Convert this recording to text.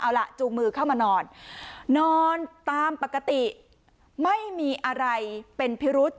เอาล่ะจูงมือเข้ามานอนนอนตามปกติไม่มีอะไรเป็นพิรุษ